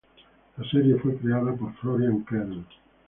La serie fue creada por Florian Kern.